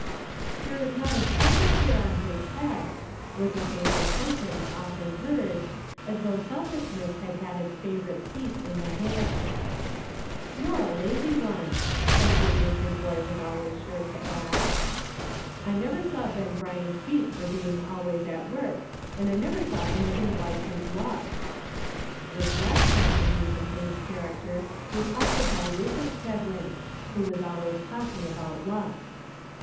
" There is not a selfish hair on his head," was a favorite sentence often heard, as though sel fishness had had its favorite seat in the hair. DISAPPOINTMENT. 17 "Nor a lazy one," some good natured boy was always sure to add. "I never saw Ben Bryant's beat for being always at work, and I never saw anything like his luck." This last contribution to his char acter was offered by Rufus Kedwin, who was always talking about luck.